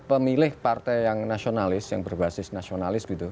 pemilih partai yang nasionalis yang berbasis nasionalis